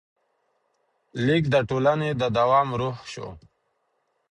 لیک د ټولنې د دوام روح شو.